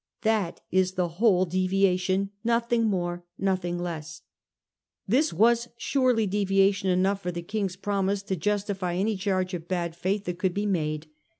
That is the whole deviation, nothing more, nothing less.' This was surely deviation enough from the King's promise to justify any charge of bad faith that could be made.